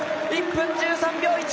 １分１３秒１９！